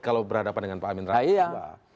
kalau berhadapan dengan pak amin rakyat